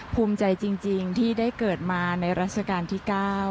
ภูมิใจจริงที่ได้เกิดมาในรัชกาลที่๙